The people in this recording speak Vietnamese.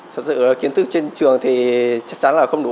thật sự kiến thức trên trường thì chắc chắn là không đủ